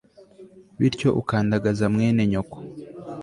bityo ukandagaza mwene nyoko